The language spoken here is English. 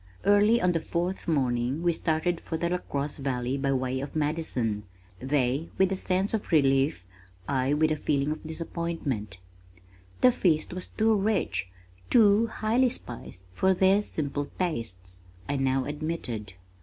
Early on the fourth morning we started for the LaCrosse Valley by way of Madison they with a sense of relief, I with a feeling of disappointment. "The feast was too rich, too highly spiced for their simple tastes," I now admitted.